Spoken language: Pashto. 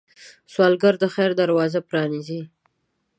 سوالګر د خیر دروازې پرانيزي